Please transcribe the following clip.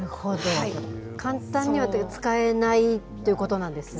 簡単には使えないということなんですね。